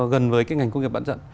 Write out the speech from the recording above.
gần với ngành công nghiệp bán dẫn